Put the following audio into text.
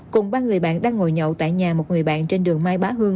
cùng ba người bạn đang ngồi nhậu tại nhà một người bạn trên đường mai bá hương